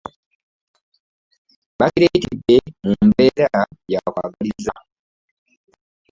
Bakireetedde mu mbeera ya kweyagaliza.